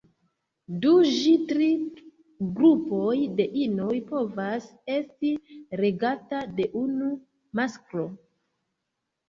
Du ĝi tri grupoj de inoj povas esti regata de unu masklo.